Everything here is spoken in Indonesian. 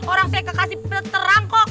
orang saya kekasih berterang kok